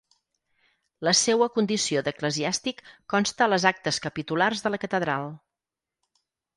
La seua condició d'eclesiàstic consta a les Actes Capitulars de la Catedral.